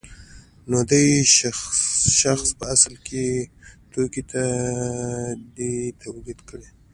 نو دې شخص په اصل کې توکي نه دي تولید کړي